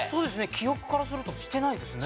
記憶からするとしてないですね。